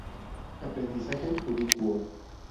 Aprendizaje ubicuo